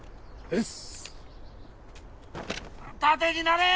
よし！